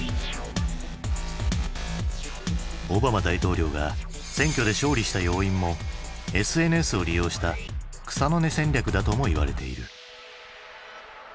オバマ大統領が選挙で勝利した要因もＳＮＳを利用した草の根戦略だともいわれている。